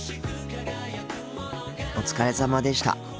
お疲れさまでした。